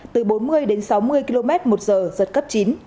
từ bốn mươi đến sáu mươi km một giờ giật cấp chín